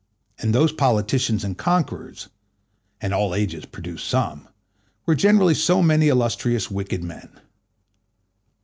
And those politicians and conquerors (and all ages produce some) were generally so many illustrious wicked men.